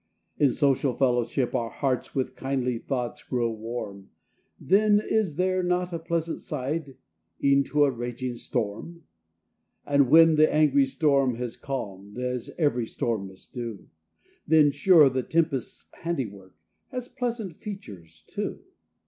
In social fellowship, our hearts With kindly thoughts grow warm; Then is there not a pleasant side, E'en to a raging storm? And when the angry storm has calm'd, As ev'ry storm must do, Then, sure, the tempest's handiwork, Has pleasant features, too.